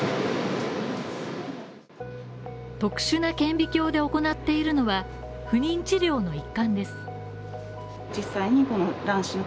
特殊な顕微鏡で行っているのは、不妊治療の一環です。